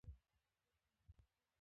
کرتۍ اغوستل د استاد لپاره مناسب کار دی.